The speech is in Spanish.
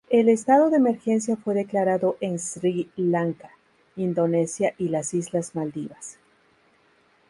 El estado de emergencia fue declarado en Sri Lanka, Indonesia y las Islas Maldivas.